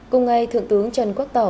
cùng ngay thượng tướng trần quốc tỏ